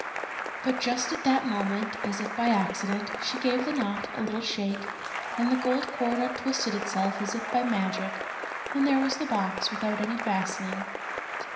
But just at that moment, as if by accident, she gave the knot a little shake, and the gold cord untwisted itself as if by magic, and there was the box without any fastening.